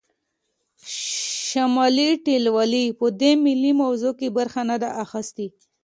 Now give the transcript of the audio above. شمالي ټلوالې په دې ملي موضوع کې برخه نه ده اخیستې